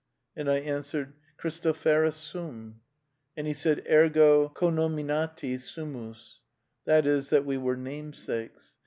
And I answered, ' Christopherus sum;' and he said, 'Ergo connominati sumus '>— that is, that we were namesakes.